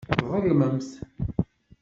Tḍelmemt.